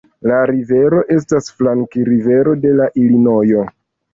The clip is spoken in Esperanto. La rivero estas flankrivero de la Ilinojo.